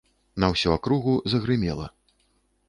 На ўсю акругу загрымела.